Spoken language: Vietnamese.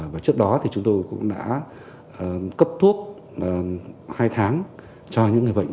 và trước đó thì chúng tôi cũng đã cấp thuốc hai tháng cho những người bệnh